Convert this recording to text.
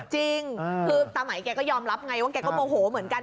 จริงคือตามัยก็ยอมรับไงว่าท่านก็โบโหเหมือนกัน